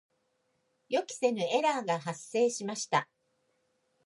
予期せぬエラーが発生しました。